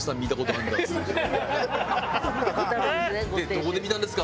「どこで見たんですか？」